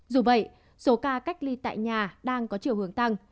dù vậy số ca cách ly tại nhà đang có chiều hướng tăng